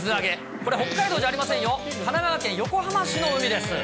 これ、北海道じゃありませんよ、神奈川県横浜市の海です。